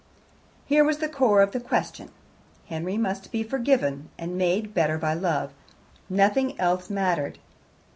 Here was the core of the question. Henry must be forgiven, and made better by love; nothing else mattered.